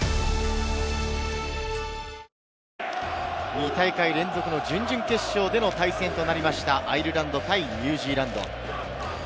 ２大会連続の準々決勝での対戦となりました、アイルランド対ニュージーランド。